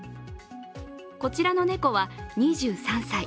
こちらの猫は２３歳。